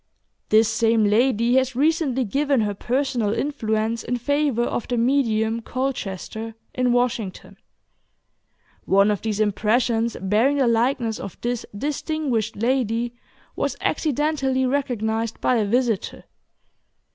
This same lady has recently given her personal influence in favor of the "medium" Colchester, in Washington. One of these impressions bearing the likeness of this distinguished lady was accidentally recognized by a visitor.